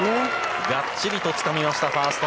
がっちりとつかみましたファースト。